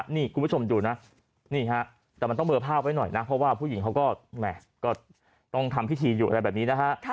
นี่คุณผู้ชมดูนะนี่ฮะแต่มันต้องเบอร์ภาพไว้หน่อยนะเพราะว่าผู้หญิงเขาก็ต้องทำพิธีอยู่อะไรแบบนี้นะฮะ